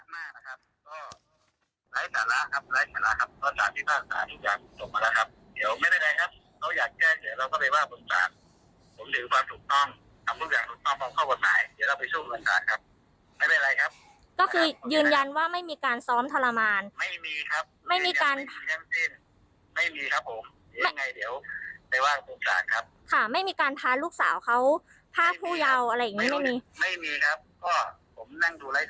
ไม่มีครับผมยังไงเดี๋ยวใดว่าของลูกสาวครับ